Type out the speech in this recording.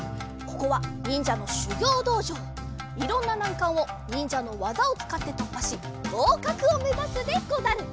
いろんななんかんをにんじゃのわざをつかってとっぱしごうかくをめざすでござる！